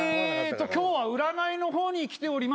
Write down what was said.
今日は占いの方に来ております。